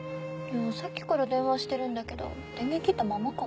さっきから電話してるんだけど電源切ったままかも。